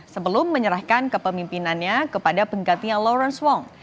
sebelum menyerahkan kepemimpinannya kepada penggantinya lawrence wong